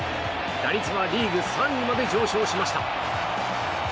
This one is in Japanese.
打率はリーグ３位まで上昇しました。